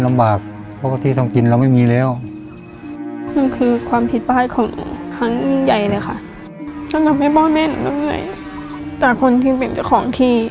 จากคนที่เป็นเจ้าของที่